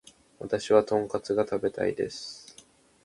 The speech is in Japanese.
私はトンカツが食べたいです